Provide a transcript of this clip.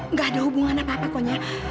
nggak ada hubungan apa apa pokoknya